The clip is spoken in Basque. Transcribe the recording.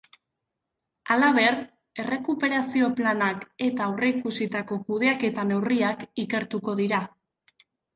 Halaber, errekuperazio planak eta aurreikusitako kudeaketa neurriak ikertuko dira.